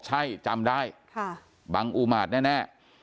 ใช่จำได้บังอุมาตแน่